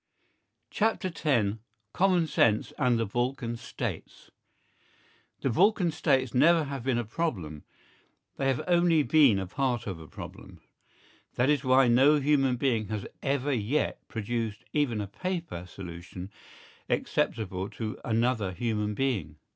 X COMMON SENSE AND THE BALKAN STATES The Balkan States never have been a problem, they have only been a part of a problem. That is why no human being has ever yet produced even a paper solution acceptable to another human being.